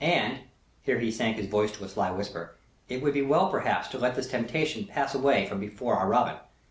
And," here he sank his voice to a sly whisper, "it would be well perhaps to let this temptation pass away from before our Robin!